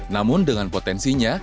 namun dengan potensinya